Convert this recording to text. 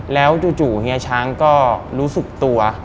แล้วจู่เฮียช้างก็รู้สึกตัว